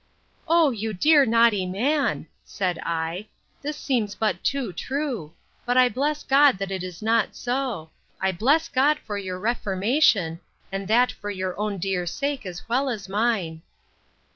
O you dear naughty man! said I, this seems but too true! but I bless God that it is not so!—I bless God for your reformation, and that for your own dear sake, as well as mine!